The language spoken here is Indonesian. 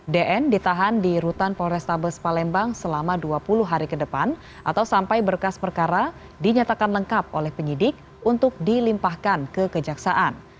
dn ditahan di rutan polrestabes palembang selama dua puluh hari ke depan atau sampai berkas perkara dinyatakan lengkap oleh penyidik untuk dilimpahkan ke kejaksaan